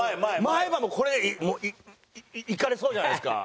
前歯のこれもういかれそうじゃないですか。